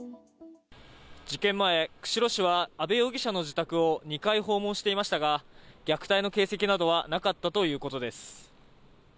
事件前釧路市は阿部容疑者の自宅を２回訪問していましたが虐待の形跡などはなかったということです。